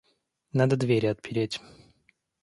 Надо двери отпереть.